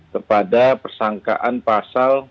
kepada persangkaan pasal